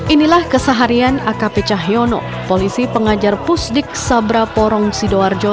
inilah keseharian akp cahyono polisi pengajar pusdik sabra porong sidoarjo